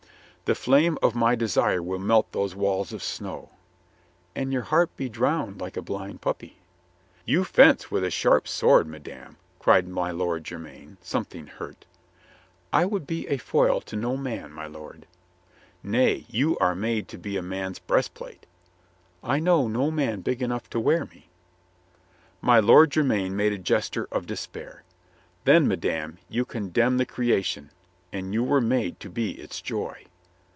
"The flame of my desire will melt those walls of snow." "And your heart be drowned, like a blind puppy." "You fence with a sharp sword, madame," cried my Lord Jermyn, something hurt "I would be a foil to no man, my lord." "Nay, you are made to be a man's breastplate." "I know no man big enough to wear me." My Lord Jermyn made a gesture of despair. "Then, madame, you condemn the creation. And you were made to be its joy."